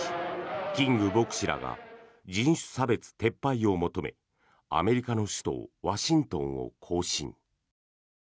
キング牧師らが人種差別撤廃を求めアメリカの首都ワシントンを行進。